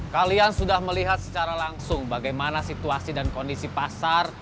kalian sudah melihat secara langsung bagaimana situasi dan kondisi pasar